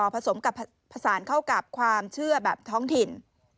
ผสมกับผสานเข้ากับความเชื่อแบบท้องถิ่น